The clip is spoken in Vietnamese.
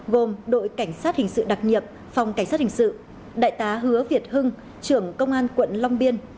gồm đội cảnh sát hình sự đặc nhiệm phòng cảnh sát hình sự đại tá hứa việt hưng trưởng công an quận long biên